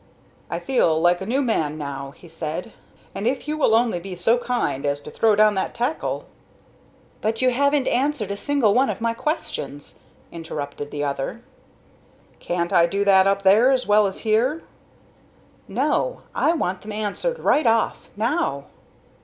"I feel like a new man now," he said, "and if you will only be so kind as to throw down that tackle " "But you haven't answered a single one of my questions," interrupted the other. "Can't I do that up there as well as here?" "No, I want them answered right off, now."